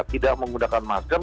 tidak menggunakan masker